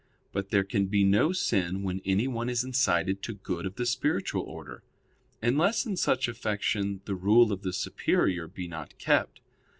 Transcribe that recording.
But there can be no sin when anyone is incited to good of the spiritual order; unless in such affection the rule of the superior be not kept.